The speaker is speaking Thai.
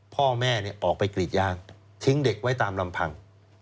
พ่อแม่ออกไปกรีดยางทิ้งเด็กไว้ตามลำพัง